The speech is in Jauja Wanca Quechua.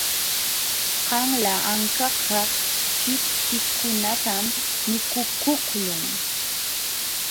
Qanla ankakaq chipchikunatam mikukuqlun.